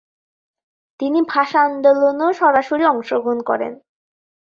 তিনি ভাষা আন্দোলনেও সরাসরি অংশগ্রহণ করেন।